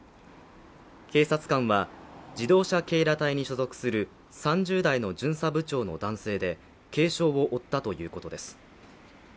警察官は自動車警ら隊に所属する３０代の巡査部長の男性で、軽傷を負ったということです。